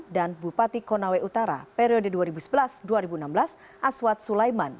dan bupati konawe utara periode dua ribu sebelas dua ribu enam belas aswat sulaiman